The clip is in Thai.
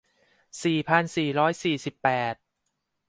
สี่พันสี่ร้อยสี่สิบแปด